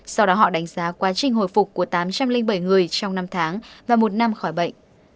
sau đó họ đánh giá quá trình hồi phục của tám trăm linh bảy người trong năm tháng và một năm khỏi bệnh